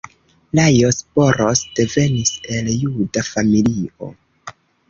Lajos Boros devenis el juda familio.